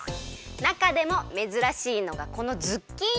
なかでもめずらしいのがこのズッキーニ！